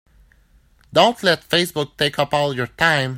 Don't let Facebook take up all of your time.